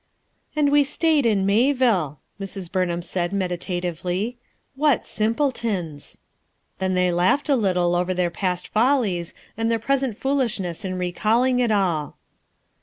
"And we stayed in Mayville," Mrs. Burn ham said meditatively. "What simpletons!" Then they laughed a little over their past fol lies and their present foolishness in recalling it all.